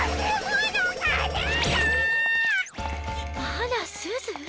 あらすず？